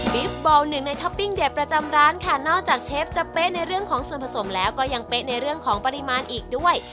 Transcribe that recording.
บอลหนึ่งในท็อปปิ้งเด็ดประจำร้านค่ะนอกจากเชฟจะเป๊ะในเรื่องของส่วนผสมแล้วก็ยังเป๊ะในเรื่องของปริมาณอีกด้วย